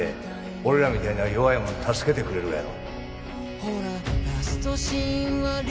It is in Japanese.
俺らみたいな弱いもん助けてくれるがやろ？